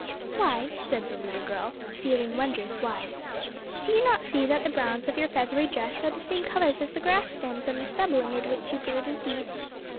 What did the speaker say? "Why," said the little girl, feeling wondrous wise, "do you not see that the browns of your feathery dress are the same colours as the grass stems and the stubble amid which you brood and feed?"